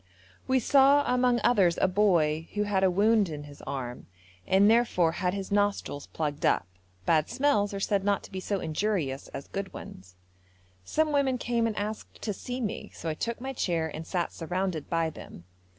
We saw among others a boy who had a wound in his arm, and therefore had his nostrils plugged up; bad smells are said not to be so injurious as good ones. Some women came and asked to see me, so I took my chair and sat surrounded by them.